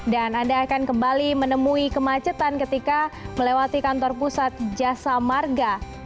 dan anda akan kembali menemui kemacetan ketika melewati kantor pusat jasa marga